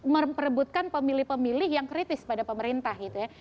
memperebutkan pemilih pemilih yang kritis pada pemerintah gitu ya